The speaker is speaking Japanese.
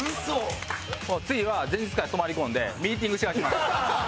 次は前日から泊まり込んでミーティングしてから来ます。